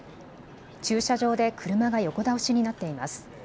駐車場で車が横倒しになっています。